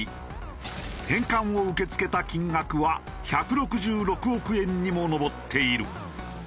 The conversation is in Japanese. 返還を受け付けた金額は１６６億円にも上っている。